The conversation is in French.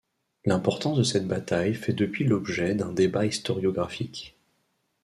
L'importance de cette bataille fait depuis l'objet d'un débat historiographique.